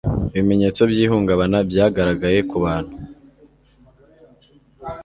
ibimenyetso by ihungabana byagaragaye ku bantu